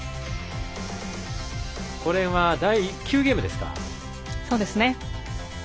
これは第９ゲームですか。